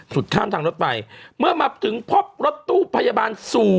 ข้ามทางรถไปเมื่อมาถึงพบรถตู้พยาบาล๐